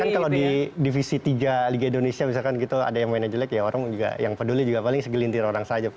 kan kalau di divisi tiga liga indonesia misalkan gitu ada yang mainnya jelek ya orang juga yang peduli juga paling segelintir orang saja